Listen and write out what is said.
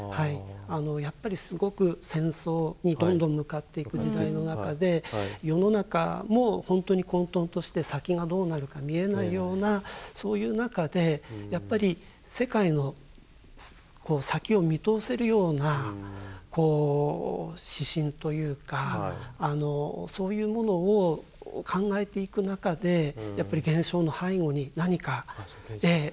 やっぱりすごく戦争にどんどん向かっていく時代の中で世の中も本当に混沌として先がどうなるか見えないようなそういう中でやっぱり世界の先を見通せるようなこう指針というかそういうものを考えていく中でやっぱり現象の背後に何か。